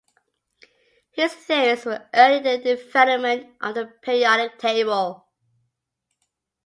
His theories were early in the development of the Periodic Table.